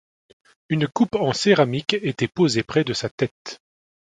Une coupe en céramique était posée près de sa tête.